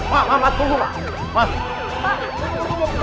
pak maaf maaf tunggu pak